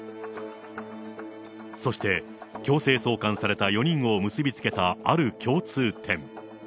そして、強制送還された４人を結び付けたある共通点。